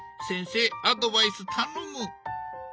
先生アドバイス頼む。